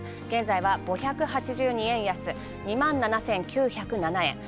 現在は５８２円安２万７９０７円。